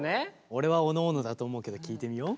俺はおのおのだと思うけど聞いてみよう。